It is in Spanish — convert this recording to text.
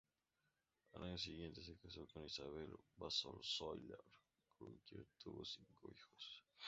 Al año siguiente se casó con Isabel Bassols Soler, con quien tuvo cinco hijos.